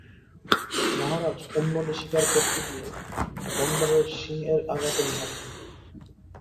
মহারাজ উন্ননি শিকার করতে গিয়ে, গণ্ডারের শিংয়ের আঘাতে নিহত হন।